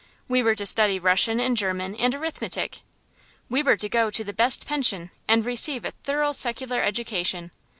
We were to study Russian and German and arithmetic. We were to go to the best pension and receive a thorough secular education.